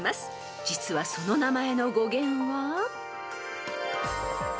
［実はその名前の語源は］